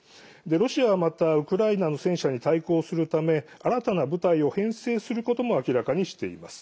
ロシアはまたウクライナの戦車に対抗するため新たな部隊を編成することも明らかにしています。